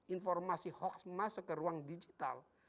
informasi hoax masuk ke ruang digital